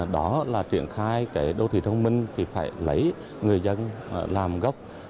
đó là triển khai cái đô thị thông minh thì phải lấy người dân làm gốc